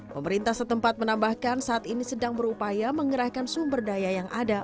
pemerintah setempat menambahkan saat ini sedang berupaya mengerahkan sumber daya yang ada